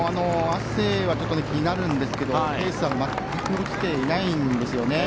汗は気になるんですけどペースは全く落ちていないんですよね。